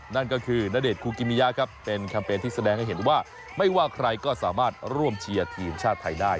นั่นก็คือณเดชนคูกิมิยะครับเป็นแคมเปญที่แสดงให้เห็นว่าไม่ว่าใครก็สามารถร่วมเชียร์ทีมชาติไทยได้